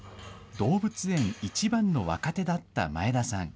動物園一番の若手だった前田さん。